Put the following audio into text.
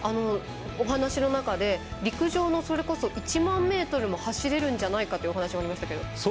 お話の中で陸上の１００００ｍも走れるんじゃないかというお話がありましたが。